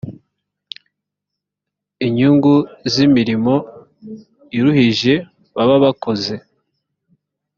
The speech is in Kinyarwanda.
inyungu z’imirimo iruhije baba bakoze